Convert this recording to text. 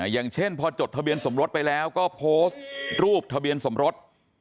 อย่างเช่นพอจดทะเบียนสมรสไปแล้วก็โพสต์รูปทะเบียนสมรส